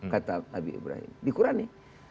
kata nabi ibrahim di quran ini